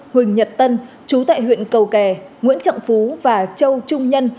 huỳnh nhật tân chú tại huyện cầu kè nguyễn trọng phú và châu trung nhân